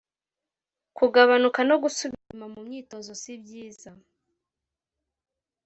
Kugabanuka no gusubira inyuma mu myitozo si byiza